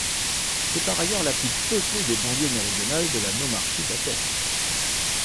C'est par ailleurs la plus peuplée des banlieues méridionales de la Nomarchie d'Athènes.